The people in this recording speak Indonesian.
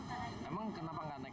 asyenang temen ok